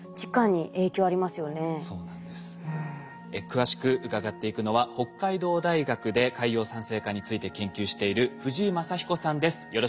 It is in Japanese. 詳しく伺っていくのは北海道大学で海洋酸性化について研究している藤井賢彦さんです